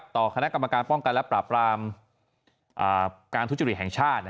ต่อคณะกรรมการป้องกันและปราบรามการทุจริตแห่งชาติ